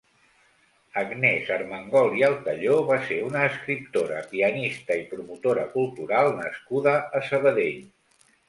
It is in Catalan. Agnès Armengol i Altayó va ser una escriptora, pianista i promotora cultural nascuda a Sabadell.